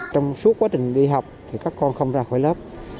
trong suốt quá trình đi học thì các con không ra khỏi lớp